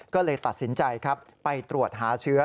ก็เลยตัดสินใจครับไปตรวจหาเชื้อ